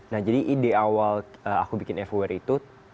nah jadi ide awal aku bikin every itu